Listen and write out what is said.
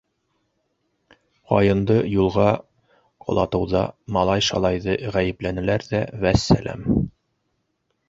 Ҡайынды юлға ҡолатыуҙа малай-шалайҙы ғәйепләнеләр ҙә, вәссәләм.